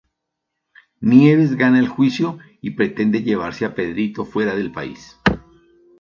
Nieves gana el juicio y pretende llevarse a Pedrito fuera del país.